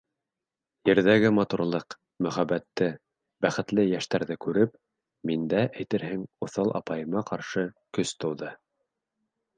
Ерҙәге матурлыҡ, мөхәббәтте, бәхетле йәштәрҙе күреп, миндә, әйтерһең, уҫал апайыма ҡаршы көс тыуҙы.